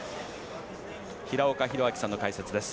平岡拓晃さんの解説です。